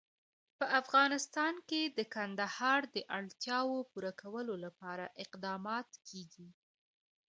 په افغانستان کې د کندهار د اړتیاوو پوره کولو لپاره اقدامات کېږي.